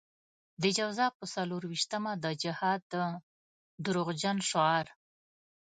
د جوزا په څلور وېشتمه د جهاد د دروغجن شعار.